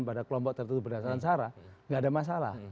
pada kelompok tertutup berdasarkan cara enggak ada masalah